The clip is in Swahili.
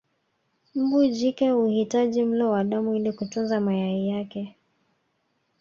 Mbu jike huhitaji mlo wa damu ili kutunza mayai yake